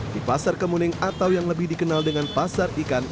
di pasar kemuning atau yang lebih dikenal dengan pasar ikan